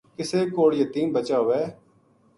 کِسے کوڑ یتیم بچا ہوے